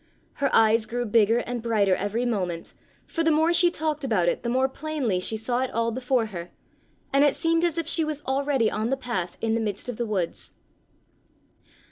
Her eyes grew bigger and brighter every moment, for the more she talked about it the more plainly she saw it all before her, and it seemed as if she was already on the path in the midst of the woods.